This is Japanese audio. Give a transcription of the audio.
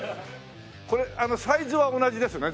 これサイズは同じですね？